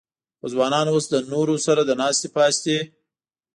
خو ځوانان اوس له نورو سره د ناستې پاستې